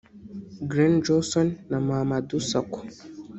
Glen Johnson na Mamadou Sakho